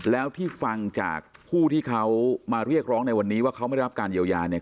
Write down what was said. แล้วที่ฟังจากผู้ที่เขามาเรียกร้องในวันนี้ว่าเขาไม่ได้รับการเยียวยาเนี่ย